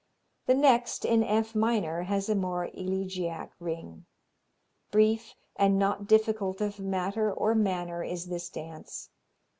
The next, in F minor, has a more elegiac ring. Brief and not difficult of matter or manner is this dance.